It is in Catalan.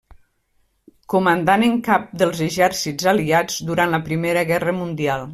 Comandant en cap dels exèrcits Aliats durant la Primera Guerra Mundial.